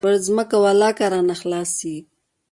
پر ځمكه ولله كه رانه خلاص سي.